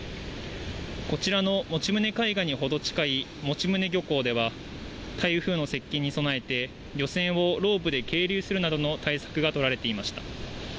こちらの用宗海岸にほど近い用宗漁港では台風の接近に備えて漁船をロープで係留するなどの対策がとられていました。